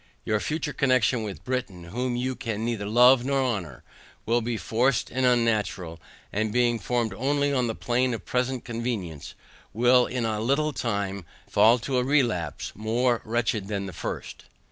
Your future connection with Britain, whom you can neither love nor honour, will be forced and unnatural, and being formed only on the plan of present convenience, will in a little time fall into a relapse more wretched than the first.